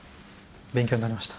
勉強になりました。